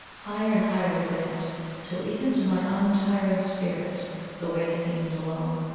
Higher and higher we went, till even to my untiring spirit the way seemed long.